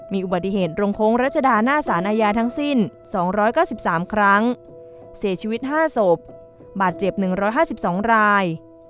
มีอุบัติเหตุโรงโค้งรัชดาหน้าสารอาญาทั้งสิ้น๒๙๓ครั้งเสียชีวิต๕ศพบาดเจ็บ๑๕๒ราย